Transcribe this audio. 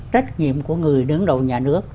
trách nhiệm của người đứng đầu nhà nước